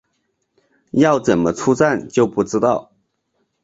要怎么出站就不知道